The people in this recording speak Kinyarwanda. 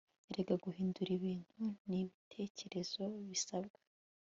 Ere guhindura ibintu nibitekerezo bisabwa